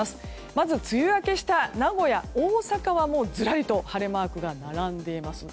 まず梅雨明けした名古屋、大阪はずらりと晴れマークが並んでいます。